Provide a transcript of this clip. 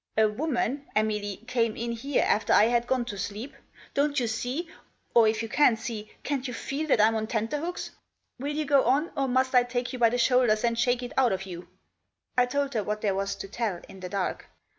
"A woman — Emily— came in here after I had gone to sleep ! Don't you see, or if you can't see, can't you feel that I'm on tenterhooks? Will you go on, or must I take you by the shoulders and shake it out of you F" I told her what thene was to tell, in the dark.